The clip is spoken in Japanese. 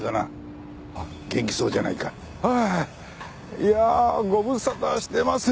いやあご無沙汰してます。